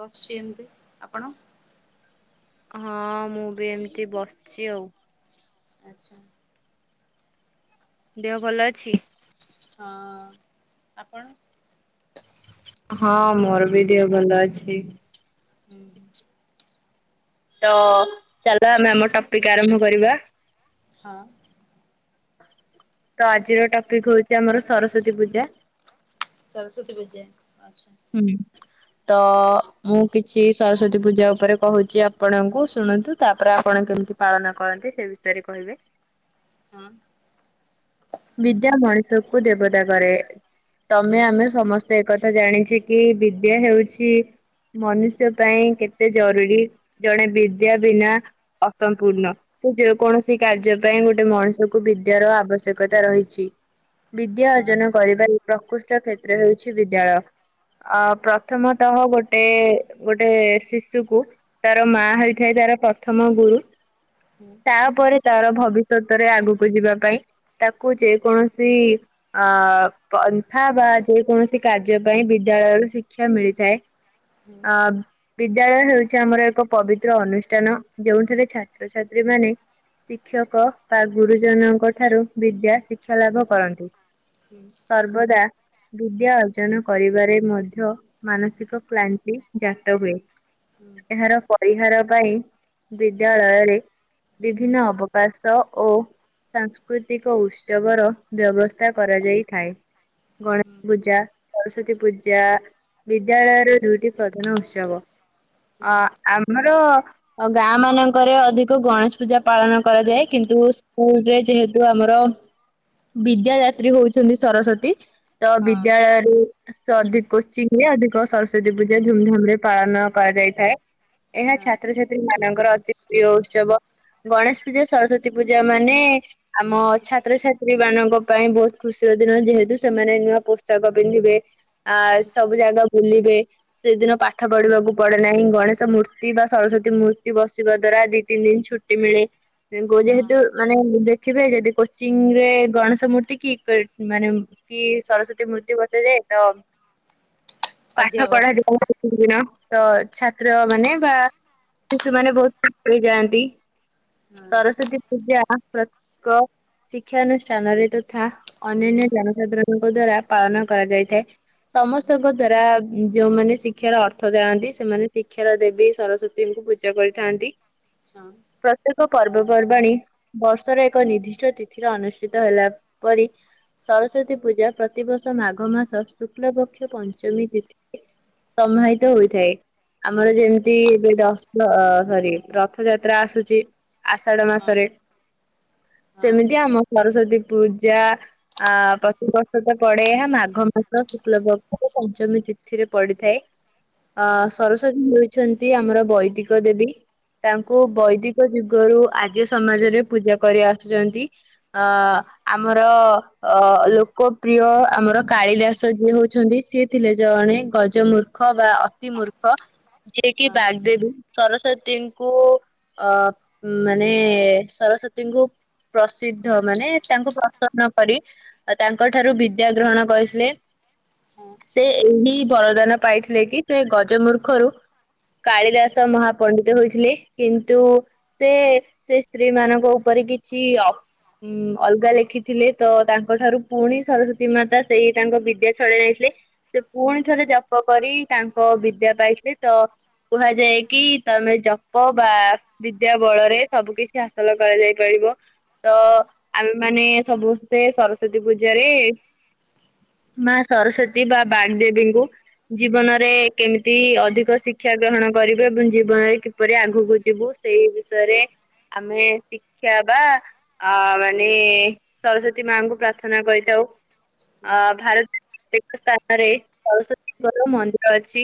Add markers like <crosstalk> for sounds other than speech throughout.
ବସିଛି ଏମିତି। ଆପଣ? ହଁ ମୁଁ ବି ଏମିତି ବସିଛି ଆଉ। ଆଚ୍ଛା। ଦେହ ଭଲ ଅଛି? ହଁ। ଆପଣ? ହଁ ମୋର ବି ଦେହ ଭଲ ଅଛି। ହୁଁ। ତ ଚାଲ ଆମେ ଆମ ଟପିକ ଆରମ୍ଭ କରିବା। ହଁ। ତ ଆଜିର ଟପିକ ହଉଛି ଆମର ସରସ୍ଵତୀ ପୂଜା। ସରସ୍ଵତୀ ପୂଜା ଆଚ୍ଛା। ହୁଁ। ତ ମୁଁ କିଛି ସରସ୍ଵତୀ ପୂଜା ଉପରେ କହୁଛି ଆପଣଙ୍କୁ ଶୁଣନ୍ତୁ ତାପରେ ଆପଣ କେମିତି ପାଳନ କରନ୍ତି ସେ ବିଷୟରେ କହିବି। ହୁଁ। ବିଦ୍ୟା ମଣିଷକୁ ଦେବତା କରେ। ତମେ ଆମେ ସମସ୍ତେ ଏକଥା ଜାଣିଛେ କି ବିଦ୍ୟା ହେଉଛି ମନୁଷ୍ୟ ପାଇଁ କେତେ ଜରୁରୀ ଜଣେ ବିଦ୍ୟା ବିନା ଅସମ୍ପୂର୍ଣ୍ଣ ତ ଯେକୌଣସି କାର୍ଯ୍ୟ ପାଇଁ ଗୋଟେ ମଣିଷକୁ ବିଦ୍ୟାର ଆବଶ୍ୟ କତା ରହିଛି ବିଦ୍ୟା ହଁ ଅର୍ଜନ କରିବାରେ ପ୍ରକୃତ କ୍ଷେତ୍ର ହେଉଛି ବିଦ୍ୟାଳୟ। ଅ ପ୍ରଥମତଃ ଗୋଟେ ଗୋଟେ ଶିଶୁକୁ ତାର ମା ହୋଇଥାଏ ତାର ପ୍ରଥମ ଗୁରୁ। ହୁଁ। ତାପରେ ତାର ଭବିଷ୍ୟତରେ ଆଗକୁ ଯିବା ପାଇଁ ତାକୁ ଯେକୌଣସି ଅ ପନ୍ଥା ବା ଯେକୌଣସି କାର୍ଯ୍ୟ ପାଇଁ ବିଦ୍ୟାଳୟରୁ ଶିକ୍ଷା ମିଳିଥାଏ। ହୁଁ ଅ ବିଦ୍ୟାଳୟ ହେଉଛି ଆମର ଏକ ପବିତ୍ର ଅନୁଷ୍ଠାନ ଯୋଉଠାରେ ଛାତ୍ରଛାତ୍ରୀମାନେ ଶିକ୍ଷକ ବା ଗୁରୁଜନଙ୍କଠାରୁ ବିଦ୍ୟା ଶିକ୍ଷା ଲାଭ କରନ୍ତି। ହୁଁ। ସର୍ବଦା ବିଦ୍ୟା ଅର୍ଜନ କରିବାରେ ମଧ୍ୟ ମାନସିକ କ୍ଳାନ୍ତି ଜାତ ହୁଏ। ହୁଁ ଏହାର ପରିହାର ପାଇଁ ବିଦ୍ୟାଳୟରେ ବିଭିନ୍ନ ଅବକାଶ ଓ ସଂସ୍କୃ ତିକ ଉତ୍ସବର ବ୍ୟବସ୍ଥା କରାଯାଇଥାଏ। ହୁଁ ଗଣେଶ ପୂଜା ସରସ୍ଵତୀ ପୂଜା ବିଦ୍ୟାଳୟର ଦୁଇଟି ପ୍ରଧାନ ଉତ୍ସବ। ହୁଁ ଅ ଆମର ଗାଁ ମାନଙ୍କରେ ଅଧିକ ଗଣେଶ ପୂଜା ପାଳନ କରାଯାଏ କିନ୍ତୁ ସ୍କୁଲରେ ଯେହେ ଯଉ ଆମର ବିଦ୍ୟା ଦାତ୍ରୀ ହଉଛନ୍ତି ସରସ୍ଵତୀ ତ ହଁ ବିଦ୍ୟାଳୟରୁ ଅଧିକ କୋଚିଙ୍ଗରେ ଅଧିକ ସରସ୍ଵତୀ ପୂଜା ଧୁମଧାମରେ ପାଳନ କରାଯାଇଥାଏ। ଏହା ହଁ ଛାତ୍ରଛାତ୍ରୀ ମାନଙ୍କର ଅତି ପ୍ରିୟ ଉତ୍ସବ। ଗଣେଶ ପୂଜା ସରସ୍ଵତୀ ପୂଜା ମାନେ ଆମ ଛାତ୍ରଛାତ୍ରୀ ମାନଙ୍କ ପାଇଁ ବହୁତ ଖୁସିର ଦିନ ଯେହେତୁ ସେମାନେ ନୂଆ ପୋଷକ ପିନ୍ଧିବେ, ଆ ସବୁ ଜାଗା ବୁଲିବେ, ସେଦିନ ପାଠ ପଢିବାକୁ ପଡେ ନାହିଁ ଗଣେଶ ମୂର୍ତ୍ତି ବା ସରସ୍ଵୀ ମୂର୍ତ୍ତି ବସିବା ଦଵାରା ଦି ତିନି ଦିନ ଛୁ ମିଳେ ହଁ ଯେହେତୁ ମାନେ ଖିବେ ଯଦି କୋଚିଂରେ ଗଣେଶ ମୂର୍ତ୍ତି କି ପ ଉଁ ମାନେ ଉଁ କି ସରସ୍ଵତୀ ମୂର୍ତ୍ତି ବଟାଯାଏ ତ ଁ ପାଠ ପଢା ଯୋଉ <unintelligible> ଦିନ ତ ଛାତ୍ର ମାନେ ବା ଶିଶୁମାନେ ବୋହୁତ <unintelligible> ଯାଆନ୍ତି ହଁ ସରସ୍ଵତୀ ପୂଜା ପ୍ରତ୍ କ ଶିକ୍ଷାନୁଷ୍ଠାନରେ ତଥା ଅନ୍ୟାନ୍ୟ ଜନସାଧାରଣଙ୍କ ଦ୍ଵାରା ପାଳନ କରାଯାଇଥାଏ। ସମସ୍ତଙ୍କ ଦ୍ଵାରା ଉଁ ଯୋଉମାନେ ଶିକ୍ଷାର ଅର୍ଥ ଜାଣନ୍ତି ସେମାନେ ଶିକ୍ଷାର ଦେବୀ ସରସ୍ଵ ତୀଙ୍କୁ ପୂଜା କରିଥାନ୍ତି। କରତି ହଁ। ପ୍ରତ୍ୟେକ କର୍ବପର୍ବାଣୀ ବର୍ଷରେ ଏକ ନିର୍ଦ୍ଧିଷ୍ଟ ତିଥିର ଅନୁଷ୍ଟିତ ହେଲା ପରି ସରସ୍ଵତୀ ପୂଜା ପ୍ରତିବର୍ଷ ମାଘ ମାସ ଶୁକ୍ଲପକ୍ଷ ପଞ୍ଚମୀ ତିଥି ସମହିତ ହୋଇଥାଏ। ଆମର ଯେମତି ଏବେ ଦଶ୍ ର ଅ ସରି ରଥଯାତ୍ରା ଆସୁଚି। ଆଷାଢ ହଁ ମାସରେ। ହଁ ହଁ ସେମିତି ଆମ ସରସ୍ଵତୀ ପୂଜା ଆ ପ୍ରତି ବର୍ଷ ତ ପଡେ ଏହା ମାଘ ମାସ ଶୁକ୍ଲ ପକ୍ଷ ପଞ୍ଚମୀ ତିଥିରେ ପଡିଥାଏ। ଆ ହଁ ସରସ୍ଵତୀ ହୋଇଛନ୍ତି ଆମର ବୈଦିକ ଦେବୀ। ତାଙ୍କୁ ବୈଦିକ ଯୁଗରୁ ଆର୍ଯ୍ୟ ସମାଜରେ ପୂଜା କରି ଆସୁଚନ୍ତି। ଅ ଆମର ଅ ଲୋକପ୍ରିୟ ଆମର କାଳିଦାସ ଯିଏ ହଉଛନ୍ତି ସିଏ ଥିଲେ ଜଣେ ଗଜ ମୂର୍ଖ ବା ଅତି ମୂର୍ଖ। ଯିଏକିି ହଁ ବାଗ୍ଦେବୀ ସରସ୍ଵତୀଙ୍କୁ ଅ ମାନେ ସରସ୍ଵ ତୀଙ୍କୁ ପ୍ରସିଦ୍ଧ ମାନେ ତାଙ୍କୁ ପ୍ରସନ୍ନ କରି ଆଉ ତାଙ୍କ ଠାରୁ ବିଦ୍ୟା ଗ୍ରହଣ କରିଥିଲେ। ହୁଁ ସେ ଏହି ବରଦାନ ପାଇଥିଲେ କି ସେ ଗଜ ମୂର୍ଖରୁ କାଳିଦାସ ମହାପଣ୍ଡିତ ହୋଇଥିଲେ କିନ୍ତୁ ସେ ସେଇ ସ୍ତ୍ରୀମାନଙ୍କ ଉପ୍ ପରେ କିଛି ଅ ଉଁ ଅଲଗା ଲେଖିଥିଲେ ତ ତାଙ୍କ ଠାରୁ ପୁଣି ସରସ୍ଵତୀ ମାତା ସେଇ ତାଙ୍କ ବିଦ୍ୟା ଛଡେଇ ନେଇଥିଲେ। ସେ ହୁଁ ପୁଣି ଥରେ ଜପ କରି ତାଙ୍କ ବିଦ୍ୟା ପାଇଥିଲେ ତ କୁହାଯାଏ କି ତମେ ଜପ ବା ବିଦ୍ୟା ବଳରେ ସବୁ କିଛି ହାସଲ କରାଯାଇ ପାରିବ ତ ହୁଁ ଆମେମାନେ ସବୁସ୍ତେ ସରସ୍ଵତୀ ପୂଜାରେ ମା ସରସ୍ଵତୀ ବା ବାଗ୍ଦେବୀଙ୍କୁ ଜୀବନରେ କେମିତି ଅଧିକ ଶିକ୍ଷା ଗ୍ରହଣ କରିବେ ଏବଂ ଜୀବନରେ କି ପରି ଆଗୁକୁ ଯିବୁ ସେଇ ବିଷୟରେ ଆମେ ଶି କ୍ଷା ବା ଆ ମାନେ ସରସ୍ଵତୀ ମାଙ୍କୁ ପ୍ରାର୍ଥେନା କରିଥାଉ। ହଁ ଆ ଭାର <unintelligible> ସ୍ତାନରେ ସରସ୍ଵତୀଙ୍କର ମନ୍ଦିର ଅଛି।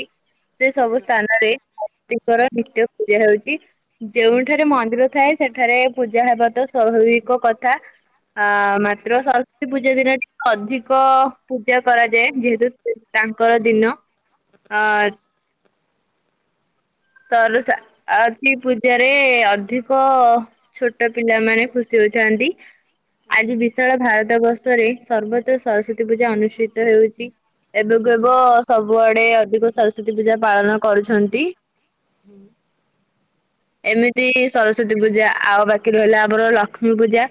ସେ ସବୁ ସ୍ତାନରେ ତୀଙ୍କର ନିତ୍ୟ ପୂଜା ହଉଚି ଯେଉଁଠାରେ ମନ୍ଦିର ଥାଏ ସେଠାରେ ପୂଜା ହେବା ତ ସ୍ୱାଭାବିକ କଥା। ଆ ମାତ୍ର ସରସ୍ଵତୀ ପୂଜା ଦିନ ଟିକେ ଅଧିକ ପୂଜା କରାଯାଏ ଯେହେତୁ ତାଙ୍କର ଦିନ ଆ ସରସା ଆତୀ ପୂଜାରେ ଅଧିକ ଛୋଟ ପିଲାମାନେ ଖୁସି ହୋଇଥାନ୍ତି। ଆଜି ହୁଁ ହୁଁ ହଁ ହୁଁ ବିଶାଳ ଭାରତ ବର୍ଷରେ ସର୍ବତ ସରସ୍ଵତୀ ପୂଜା ଅନୁଷ୍ଟିତ ହେଉଚି। ଏବେକୁ ଏବ ସବୁଆଡେ ଅଧିକ ସରସ୍ଵତୀ ପୂଜା ପାଳନ କରୁଛନ୍ତି। ହୁଁ। ଏମିତି ସରସ୍ଵତୀ ପୂଜା ଆଉ ବାକି ରହିଲା ଆମର ଲକ୍ଷ୍ମୀ ପୂଜା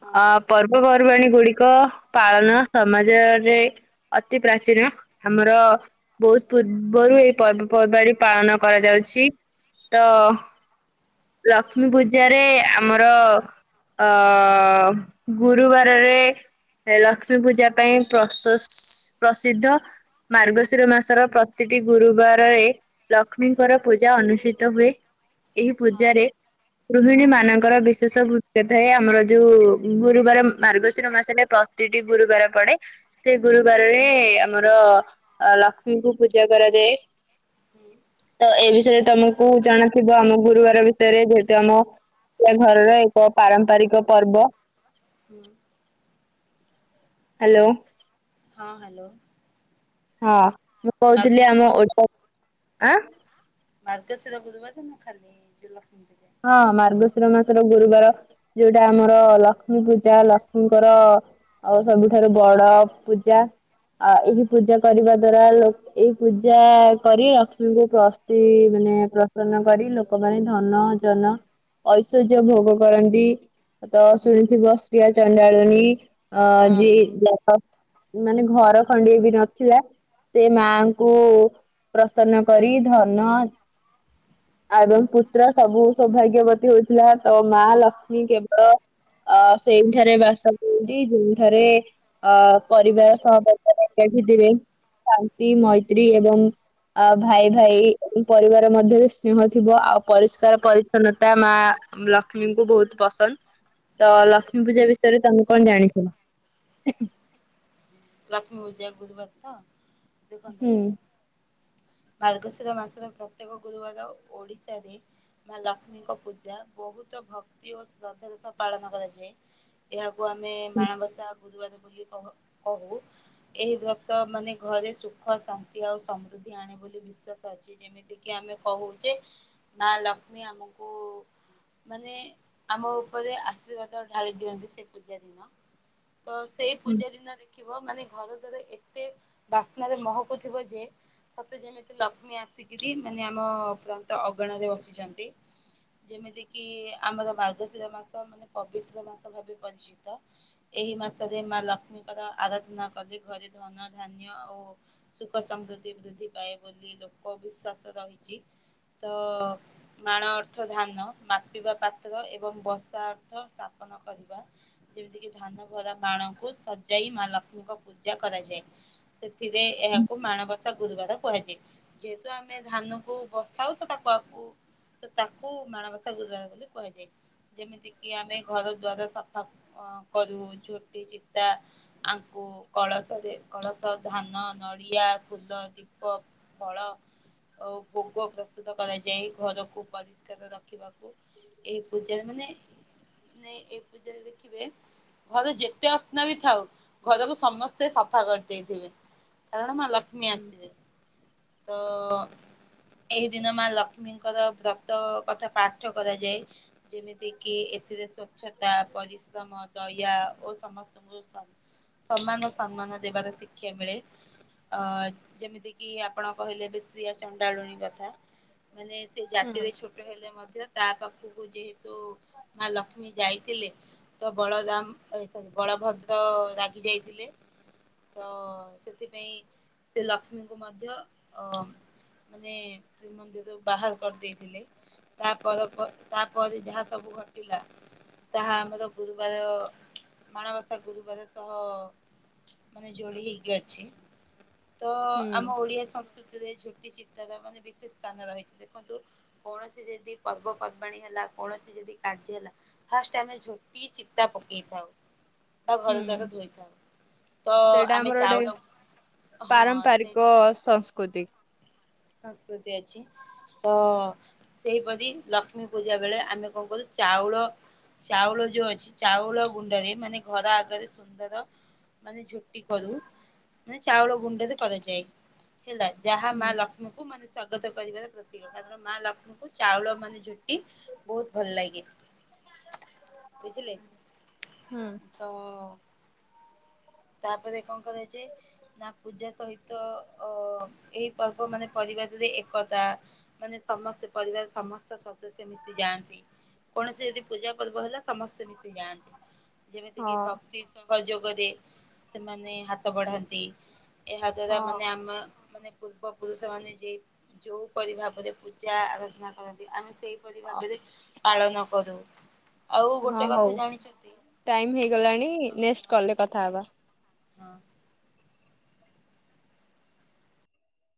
ହଁ ଅ ପର୍ବପର୍ବାଣି ଗୁଡିକ ପାଳନ ସମାଜରେ ଅତି ପ୍ରାଚୀନ ଆମର ବହୁତ ପୂର୍ବରୁ ଏଇ ପର୍ବପର୍ବାଣୀ ପାଳନ କରାଯାଉଛି ତ ଲକ୍ଷ୍ମୀ ପୂଜାରେ ଆମର ଅ ଗୁରୁବାରରେ ଏ ଲକ୍ଷ୍ମୀ ପୂଜା ପାଇଁ ପ୍ରଶ୍ବସ ପ୍ରସିଦ୍ଧ ମାର୍ଗଶିର ମାସର ପ୍ରତିଟି ଗୁରୁବାରରେ ଲକ୍ଷ୍ମୀଙ୍କର ପୂଜା ଅନୁଷ୍ଠିତ ହୁଏ ଏହି ପୂଜାରେ ଗୃହିଣୀ ମାନଙ୍କର ବିଶେଷ ଭୂମିକା ଥାଏ ଆମର ଯୋଉ ଗୁରୁବାର ମାର୍ଗଶିର ମାସରେ ପ୍ର ତିଟି ଗୁରୁବାର ପଡେ ସେ ଗୁରୁବାରରେ ଆମର ଅ ଲକ୍ଷ୍ମୀଙ୍କୁ ପୂଜା କରାଯାଏ। ହୁଁ। ତ ଏ ବିଷୟରେ ତମକୁ ଜଣାଥିବ ଆମ ଗୁରୁବାର ଭିତରେ ଯେହେତୁ ଆମ ସେ ଘରର ଏକ ପାରମ୍ପରିକ ପର୍ବ। ହୁଁ। ହ୍ୟାଲୋ। ହଁ ହ୍ୟାଲୋ। ହଁ ମୁଁ କହୁଥିଲି ଆମ ବାଗଦତ୍ରୀ ଓଟ ଆଁ? ମାର୍ଗଶୀର ଗୁରୁବାରେ ନା ଖାଲି ଜୋଉ ଲକ୍ଷ୍ମୀ ପୂଜା? ହଁ ମାର୍ଗଶୀର ମାସର ଗୁରୁବାର ଯୋଉଟା ଆମର ଲକ୍ଷ୍ମୀ ପୂଜା ଲକ୍ଷ୍ମୀଙ୍କର ଆଉ ସବୁଠାରୁ ବଡ ପୂଜା ଆ ଏହି ପୂଜା କରିବା ଦ୍ଵାରା ଲ ଏଇ ପୂଜା କରି ଲକ୍ଷ୍ମୀଙ୍କୁ ପ୍ର ତି ମାନେ ପ୍ରସନ୍ନ କରି ଲୋକମାନୋନ ଧନ ଜନ ଐଶ୍ୱର୍ଯ୍ୟ ଭୋଗ କରନ୍ତି। ତ ସୁଣିିଥିବ ଶ୍ରୀୟା ଚଣ୍ଡାଳୁଣି ଅ ଜି ହଁ। <unintelligible> ମାନେ ଘର ଖଣ୍ଡିଏ ବି ନଥିଲା ସେ ମାଙ୍କୁ ପ୍ରସନ୍ନ କରି ଧନ ଆଉ ଏବଂ ପୁତ୍ର ସବୁ ସୌଭାଗ୍ୟବତୀ ହଉଥିଲା ତ ମା ଲକ୍ଷ୍ମୀ କେବଳ ଅ ସେଇଠାରେ ବାସ କରନ୍ତି ଯୋଉଁଠାରେ ଅ ପରିବାର ସହପକ୍ଷରେ ଏକାଠିଥିଲେ ଶାନ୍ତି ମୈତ୍ରୀ ଏବଂ ଆ ଭାଇ ଭାଇ ପରିବାର ମଧ୍ୟରେ ସ୍ନେହ ଥିବ ଆଉ ପରିଷ୍କାର ପରି ଛନତା ମା ଲକ୍ଷ୍ମୀଙ୍କୁ ବହୁତ ପସନ୍ଦ ତ ଲକ୍ଷ୍ମୀ ପୂଜା ବିଷୟରେ ତମେ କଣ ଜାଣିଛ? ଲକ୍ଷ୍ମୀ ପୂଜା ଗୁରୁବାର ତ <unintelligible> ହୁଁ। ମାର୍ଗଶୀର ମାସର ପ୍ରତ୍ୟେକ ଗୁରୁବାର ଓଡିଶାରେ ମା ଲକ୍ଷ୍ମୀଙ୍କ ପୂଜା ବହୁତ ଭକ୍ତି ଓ ଶ୍ରଦ୍ଧାର ସହ ପାଳନ କରାଯାଏ। ଏହାକୁ ଆମେ ହୁଁ ମାଣବସା ଗୁରୁବାରେ ବୋଲି କହ କହୁ। ଏହି ବ୍ରତ ମାନେ ଘରେ ସୁଖ ଶାନ୍ତି ଆଉ ସମୃଦ୍ଧି ଆଣେ ବୋଲି ବିଶ୍ଵାସ ଅଛି ଜେ ଯେମିତି କିି ଆମେ କହୁଚେ ମା ଲକ୍ଷ୍ମୀ ଆମକୁ ମାନେ ଆମ ଉପରେ ଆଶୀର୍ବାଦ ଢାଳି ଦିଅନ୍ତି ସେ ପୂଜା ଦିନ। ତ ସେ ହୁଁ ପୂଜା ଦିନ ଦେଖିବ ମାନେ ଘର ଦ୍ୱାର ଏତେ ବାସ୍ନାରେ ମହକୁ ଥିବ ଯେ ସତେ ଯେମିତି ଲକ୍ଷ୍ମୀ ଆସିକିରି ମାନେ ଆମ ପ୍ରନ୍ତ ଅଗଣା ରେ ବସିଚନ୍ତି। ଯେମିତି କିି ଆମର ମାର୍ଗଶିର ମାସ ମାନେ ପବିତ୍ର ମାସ ଭାବେ ପରିଚିତ ଏହି ମାସରେ ମା ଲକ୍ଷ୍ମୀଙ୍କର ଆରାଧନା କଲେ ଘରେ ଧନ ଧ୍ୟାନ୍ୟ ଓ ସୁଖ ସମୃଦ୍ଧି ବୃଦ୍ଧି ପାଏ ବୋଲି ଲୋକ ବିଶ୍ଵାସ ରହିଚି ତ ମାଣ ଅର୍ଥ ଧାନ ମାପିବା ପାତ୍ର ଏବଂ ବସା ଅର୍ଥ ସ୍ଥାପନ କରିବା। ଯେମିତି କି ଧାନ ଭରା ମାଣଙ୍କୁ ସଜାଇ ମା ଲକ୍ଷ୍ମୀଙ୍କ ପୂଜା କରାଯାଏ ସେଥିରେ ଏହାକୁ ମାଣବସା ତା ଗୁରୁବାର କୁହାଯାଏ ଯେହେତୁ ଆମେ ଧାନକୁ ବସାଉ ତ ତାକୁ ଆକୁ ତ ତାକୁ ମାଣବସା ଗୁରୁବାର ବୋଲି କୁହାଯାଏ। ଯେମିତି କିି ଆମେ ଘର ଦ୍ୱାରା ସଫା ଆଁ କରୁ ଝୋଟି ଚିତା ଆଙ୍କୁ କଳସରେ କଳସ ଧାନ ନଡିଆ ଫୁଲ ଦୀପ ଫଳ ଓ ଭୋଗ ପ୍ରସ୍ତୁତ କରାଯାଏ। ଘରକୁ ପରିଷ୍କାର ରଖିବାକୁ ଏଇ ପୂଜାରେ ମାନେ ନାଇଁ ଏ ପୂଜାରେ ଦେଖିବେ ଘରେ ଯେତେ ଅସ୍ନା ବି ଥାଉ ଘରକୁ ସମସ୍ତେ ସଫା କରିଦେଇଥିବେ କାରଣ ମା ଲକ୍ଷ୍ମୀ ଆସିବେ। ତ ଏହି ଦିନ ମା ଲକ୍ଷ୍ମୀଙ୍କର ବ୍ର ତ କଥା ପାଠ କରାଯାଏ। ଯେମିତି କିି ଏଥିରେ ସ୍ଵଚ୍ଛତା ପରିଶ୍ରମ ଦୟା ଓ ସମସ୍ତଙ୍କୁ ସମ୍ମାନ ସମ୍ମାନ ଦେବାର ଶିକ୍ଷା ମିଳେ। ଅ ଯେମିତି କିି ଆପଣ କହିଲେ ବିଶ୍ରୀଆ ଚଣ୍ଡାଳୁଣୀ କଥା। ମାନେ ସେ ହୁଁ ଜାତିରେ ଛୋଟ ହେଲେ ମଧ୍ୟ ତା ପାଖକୁ ଯେହେତୁ ମା ଲକ୍ଷ୍ମୀ ଯାଇଥିଲେ। ତ ବଳଦାମ ବଳଭଦ୍ର ରାଗି ଯାଇଥିଲେ। ତ ସେଥିପାଇଁ ସେ ଲକ୍ଷ୍ମୀଙ୍କୁ ମଧ୍ୟ ଅ ମାନେ ଶ୍ରୀମନ୍ଦିରୁ ବାହାର କରିଦେଇଥିଲେ। ତାପର ପ ତାପରେ ଯାହା ସବୁ ଘଟିଲା ତାହା ଆମର ଗୁରୁବାର ମାଣବସା ଗୁରୁବାର ମାନେ ଯୋଡି ହେଇକି ଅଛି। ତ ହୁଁ ଆମ ଓଡିଆ ସଂସ୍କୃତିରେ ଝୋଟି ଚିତାର ମାନେ ବିଶେଷ ସ୍ଥାନ ରହିଛି ଦେଖନ୍ତୁ କୌଣସି ଯଦି ପର୍ବପର୍ବାଣୀ ହେଲା କୌଣସି ଯଦି କାର୍ଯ୍ୟ ହେଲା ଫାଷ୍ଟ ଆମେ ଝୋଟି ଚିତା ପକେଇଥାଉ ଘର ହୁଁ ଦ୍ୱାର ଧୋଇଥାଉ ତ ସେଇଟା ଆମେ ଆମର ଗୋଟେ ଚାଉଳ ହଁ ସେ ପଶ <unintelligible> ସଂସ୍କୃତି ଅଛି। ତ ସେହିପରି ଲକ୍ଷ୍ମୀ ପୂଜା ବେଳେ ଆମେ କଣ କରୁ ଚାଉଳ ଚାଉଳ ଯୋଉ ଅଛି ଚାଉଳ ଗୁଣ୍ଡରେ ମାନେ ଘର ଆଗରେ ସୁନ୍ଦର ମାନେ ଝୋଟି କରୁ। ମାନେ ଚାଉଳ ଗୁଣ୍ଡରେ କରାଯାଏ ହେଲା ଯାହା ମା ହୁଁ ଲ କ୍ଷ୍ମୀଙ୍କୁ ମାନେ ସ୍ଵାଗତ କରିବାର ପ୍ରତୀକ କାରଣ ମା ଲକ୍ଷ୍ମୀଙ୍କୁ ଚାଉଳ ମାନେ ଝୁଟି ବହୁତ ଭଲ ଲାଗେ ବୁଝିଲେ। ହୁଁ। ତ ତାପରେ କଣ କରାଯାଏ? ନା ପୂଜା ସହିତ ଅ ଏଇ ପର୍ବ ମାନେ ପରିବାରରେ ଏକତା ମାନେ ସମସ୍ତେ ପରିବାର ସମସ୍ତ ସଦସ୍ୟ ମିଶି ଯାଆନ୍ତି। କୌଣସି ଯଦି ପୂଜା ପର୍ବ ହେଲା ସମସ୍ତେ ମିଶିଯାଆନ୍ତି ହଁ। ଯେମିତିକି ଭକ୍ତି ସହଯୋଗରେ ସେମାନେ ହାତ ବଢ଼ାନ୍ତି। ଏହା ଦ୍ଵାରା ହଁ ମାନେ ଆମ ମାନେ ପୂର୍ବ ପୁରୁଷ ମାନେ ଯେ ଯୋଉପରି ଭାବରେ ପୂଜା ଆରାଧନା କରନ୍ତି ଆମେ ସେଇପରି ଭାବରେ ପାଳନ କରୁ ଆଉ ହଁ ଗୋଟେ ହଉ କଥା ଜାଣିଛନ୍ତି ଟାଇମ ହେଇଗଲାଣି ତ ନେକ୍ସଟ୍ ହଁ କଲରେ କଥାହବା। ହଁ।